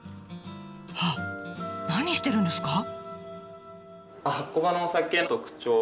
あっ何してるんですか？